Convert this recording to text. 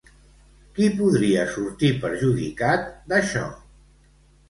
Qui podria sortir perjudicat, d'això?